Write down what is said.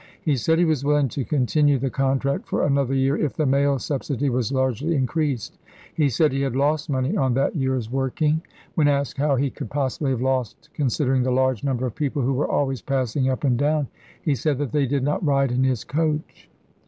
He said he was willing to continue the contract for another year if the mail subsidy was largely increased. He said he had lost money on that year's working. When asked how he could possibly have lost considering the large number of people who were always passing up and down, he said that they did not ride in his coach.